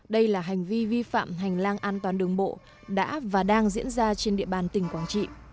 đây là hành vi vi phạm hành lang an toàn đường bộ đã và đang diễn ra trên địa bàn tỉnh quảng trị